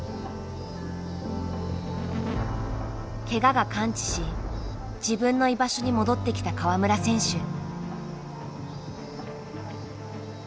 ケガが完治し自分の居場所に戻ってきた川村選手。